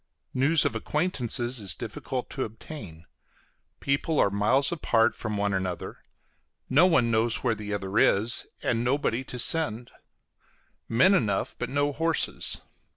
News of acquaintances is difficult to obtain; people are miles apart from one another; no one knows where the other is, and nobody to send; men enough, but no horses.